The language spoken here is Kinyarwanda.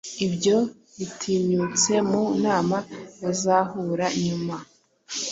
Ibyo bitinyutse mu nama bazahura nyuma